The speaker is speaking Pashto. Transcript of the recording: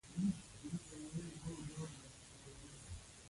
زما معاینات وګوره.